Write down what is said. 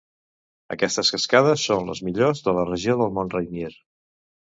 Aquestes cascades són les millors de la regió del Mont Rainier.